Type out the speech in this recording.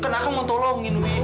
kenapa mau tolongin nek